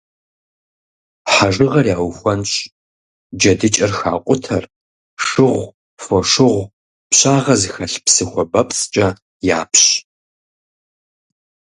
Хьэжыгъэр яухуэнщӏ, джэдыкӏэр хакъутэр шыгъу, фошыгъу, пщагъэ зыхэлъ псы хуабэпцӏкӏэ япщ.